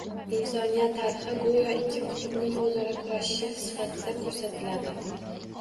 Insoniyat tarixi go‘yo ikki qutbning o‘zaro kurashi sifatida ko‘rsatiladi